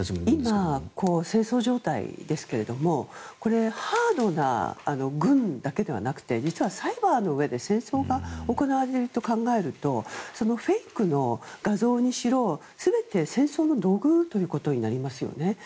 今、戦争状態ですけどもハードな軍だけではなくてサイバーの上で戦争が行われると考えるとフェイクの画像にしろ全て戦争の土偶ということになりますね。